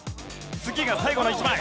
次が最後の１枚。